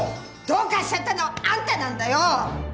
どうかしちゃったのはあんたなんだよ！